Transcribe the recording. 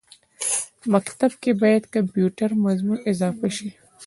مکتب کښې باید کمپیوټر مضمون اضافه شي